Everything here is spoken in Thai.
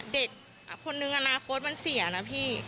เด็กคนนึงอนาคตมันเสียนะพี่